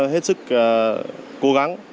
hết sức cố gắng